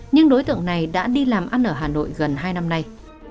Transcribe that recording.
nhưng đối tượng này đã đi làm ăn ở hà nội gần hai năm nay